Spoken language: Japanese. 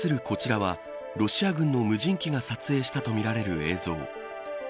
こちらはロシア軍の無人機が撮影したとみられる映像。